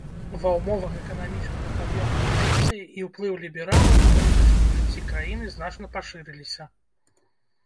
Ва ўмовах эканамічнага пад'ёму пазіцыі і ўплыў лібералаў у палітычным жыцці краіны значна пашырыліся.